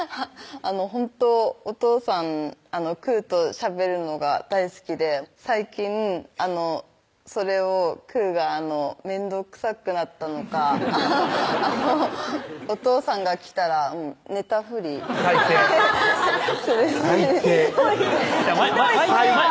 ほんとお父さんくーとしゃべるのが大好きで最近それをくーが面倒くさくなったのかお父さんが来たら寝たふり最低最低ひどいひどいそれは最低！